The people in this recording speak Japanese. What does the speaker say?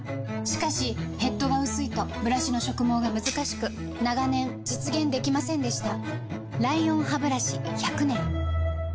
しかしヘッドが薄いとブラシの植毛がむずかしく長年実現できませんでした